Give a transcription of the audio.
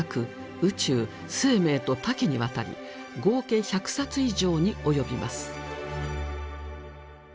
宇宙生命と多岐にわたり合計１００冊以上に及びます。